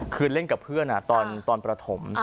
คือเล่นกับเพื่อนตอนประถม